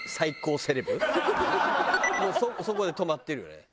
もうそこで止まってるよね。